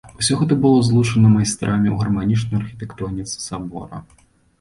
Усё гэта было злучана майстрамі ў гарманічнай архітэктоніцы сабора.